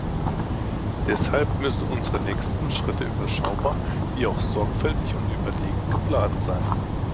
Deshalb müssen unsere nächsten Schritte überschaubar wie auch sorgfältig und überlegt geplant sein.